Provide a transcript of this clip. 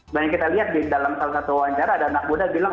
banyak kita lihat di dalam salah satu wawancara ada anak muda bilang